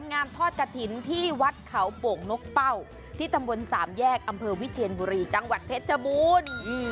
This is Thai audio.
งามทอดกระถิ่นที่วัดเขาโป่งนกเป้าที่ตำบลสามแยกอำเภอวิเชียนบุรีจังหวัดเพชรบูรณ์